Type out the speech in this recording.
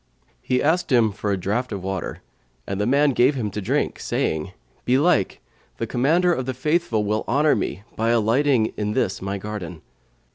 He asked him for a draught of water, and the man gave him to drink, saying, "Belike, the Commander of the Faithful will honour me by alighting in this my garden."